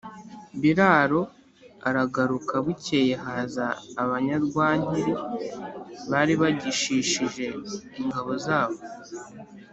Biraro aragaruka Bukeye haza abanyarwankeri bari bagishishije inka zabo